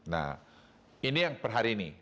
nah ini yang per hari ini